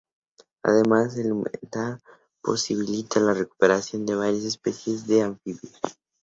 Además, el humedal posibilita la recuperación de varias especies de anfibios.